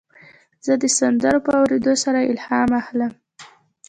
زه د سندرو په اورېدو سره الهام اخلم.